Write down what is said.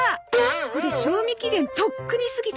これ賞味期限とっくに過ぎてた。